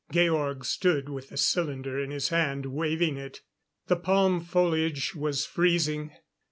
Georg stood with the cylinder in his hand, waving it. The palm foliage was freezing.